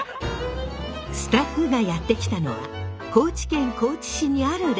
スタッフがやって来たのは高知県高知市にあるレストラン。